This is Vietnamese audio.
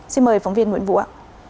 xin mời phóng viên nguyễn vũ ạ